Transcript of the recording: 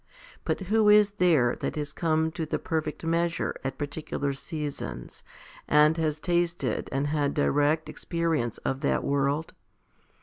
But who is there that has come to the perfect measure at particular seasons, and has tasted and had direct experience of that world